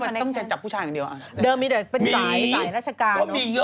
มีก็มีเยอะ